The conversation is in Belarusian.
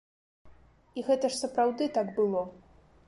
І гэта ж сапраўды так было.